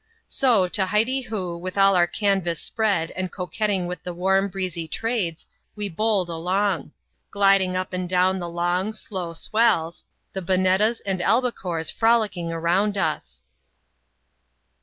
So to Hytyhoo, with all our canvas spread, and coquetting with the warm, breezy Trades, we bowled along ; gliding up and dovm the long, slow swells, the bonettas and albicores frolicking round us.